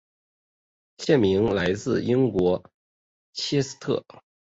县名来自英国切斯特。